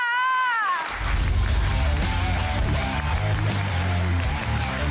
อยากเจอผู้โชคดีแล้ว